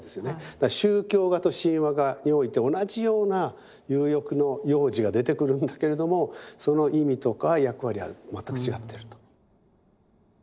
だから宗教画と神話画において同じような有翼の幼児が出てくるんだけれどもその意味とか役割は全く違ってると。